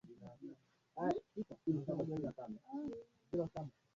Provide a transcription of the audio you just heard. mwadilifu na hatimaye kuurithi utukufu wa kiroho ambao karama yake ni